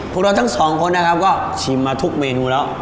พวกเราทั้งสองคนนะครับก็ชิมมาทุกเมนูแล้ว